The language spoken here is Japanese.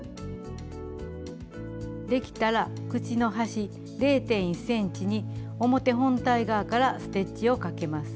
できたら口の端０．１ｃｍに表本体側からステッチをかけます。